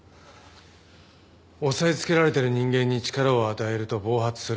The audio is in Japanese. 抑えつけられてる人間に力を与えると暴発する。